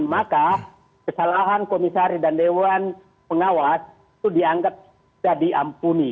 maka kesalahan komisaris dan dewan pengawas itu dianggap bisa diampuni